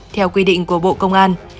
theo quy định của bộ công an